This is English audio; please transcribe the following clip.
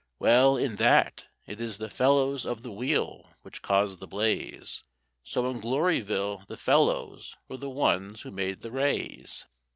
Well, in that, it is the felloes of the wheel which cause the blaze; So in Gloryville the fellows were the ones who made the rays.